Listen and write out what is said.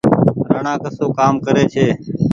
رآڻآ ڪسو ڪآم ڪري ڇي ۔